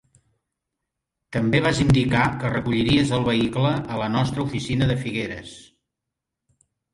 També vas indicar que recolliries el vehicle a la nostra oficina de Figueres.